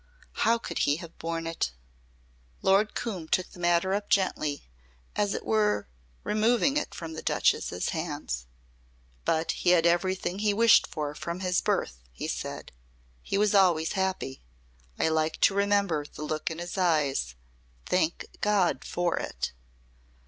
How could he have borne it!" Lord Coombe took the matter up gently, as it were removing it from the Duchess' hands. "But he had everything he wished for from his birth," he said. "He was always happy. I like to remember the look in his eyes. Thank God for it!"